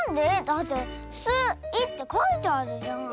だって「ス・イ」ってかいてあるじゃん。